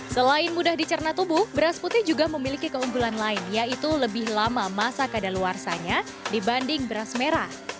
selain mudah dicerna tubuh beras putih juga memiliki keunggulan lain yaitu lebih lama masa kadaluarsanya dibanding beras merah